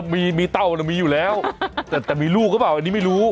มีเต้ามีอยู่แล้วแต่มีลูกหรือเปล่าอันนี้ไม่รู้